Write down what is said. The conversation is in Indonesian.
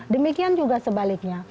demikian juga sebabnya